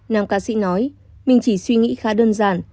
nam ca sĩ nói mình chỉ suy nghĩ khá đơn giản